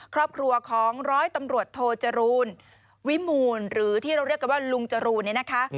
ครอบครัวของร้อยตำรวจโทจรูลวิมูลหรือที่เราเรียกกันว่าลุงจรูนเนี่ยนะคะ